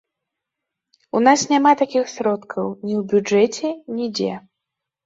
У нас няма такіх сродкаў, ні ў бюджэце, нідзе.